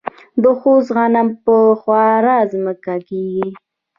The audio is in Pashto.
د خوست غنم په هواره ځمکه کیږي.